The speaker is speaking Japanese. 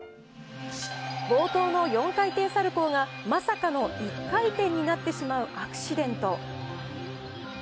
冒頭の４回転サルコーが、まさかの１回転になってしまうアクシデント。